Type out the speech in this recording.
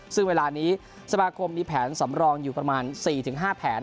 ซึ่งเวลานี้สมาคมมีแผนสำรองอยู่ประมาณ๔๕แผน